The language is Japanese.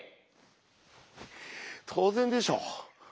当然でしょ。